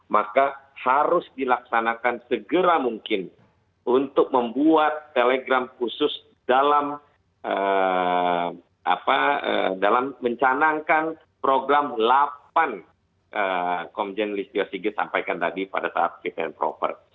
maka harus dilaksanakan segera mungkin untuk membuat telegram khusus dalam mencanangkan program delapan komjen listio sigit sampaikan tadi pada saat fit and proper